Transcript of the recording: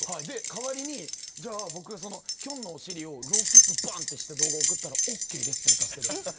代わりに僕がきょんのお尻をローキックでばんってした動画を送ったらオーケーですとなったんです。